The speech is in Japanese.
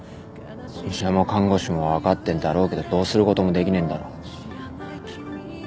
医者も看護師も分かってんだろうけどどうすることもできねえんだろ。